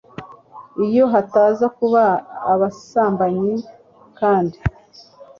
iyo hataza kuba ubusambanyi kandi